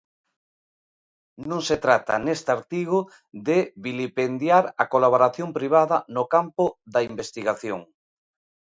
Non se trata neste artigo de vilipendiar a colaboración privada no campo da investigación.